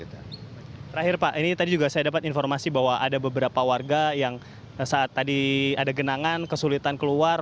terakhir pak ini tadi juga saya dapat informasi bahwa ada beberapa warga yang saat tadi ada genangan kesulitan keluar